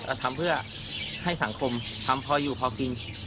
ก็ทำเพื่อให้สังคมทำพออยู่พอกิน